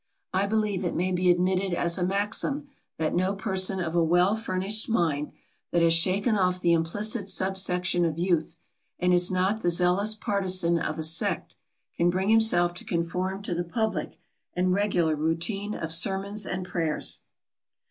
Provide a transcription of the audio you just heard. I believe it may be admitted as a maxim, that no person of a well furnished mind, that has shaken off the implicit subsection of youth, and is not the zealous partizan of a sect, can bring himself to conform to the public and regular routine of sermons and prayers.